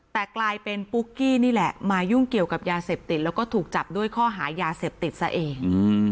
แต่กลายเป็นปุ๊กกี้นี่แหละมายุ่งเกี่ยวกับยาเสพติดแล้วก็ถูกจับด้วยข้อหายาเสพติดซะเอง